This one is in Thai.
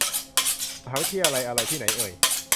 มหาวิทยาลัยอะไร ที่ไหนเอ่ย